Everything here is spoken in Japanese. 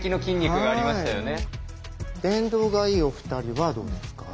電動がいいお二人はどうですか？